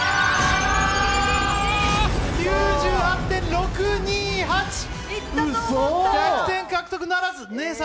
９８．６２８１００点獲得ならず。